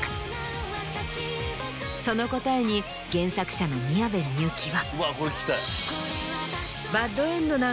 その答えに原作者の宮部みゆきは。